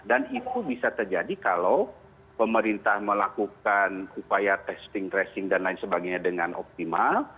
dan itu bisa terjadi kalau pemerintah melakukan upaya testing tracing dan lain sebagainya dengan optimal